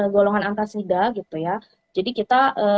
golongan antasida gitu ya jadi kita